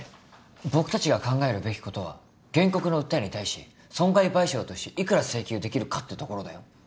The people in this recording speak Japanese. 僕たちが考えるべきことは原告の訴えに対し損害賠償として幾ら請求できるかってところだよ。